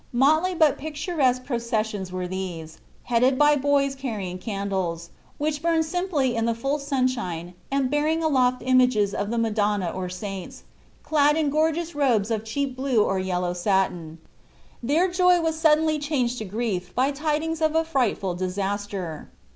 Motley but picturesque processions were these, headed by boys carrying candles, which burned simply in the full sunshine and bearing aloft images of the Madonna or saints, clad in gorgeous robes of cheap blue or yellow satin. Their joy was suddenly changed to grief by tidings of a frightful disaster.